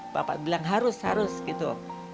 bapak bilang harus harus gitu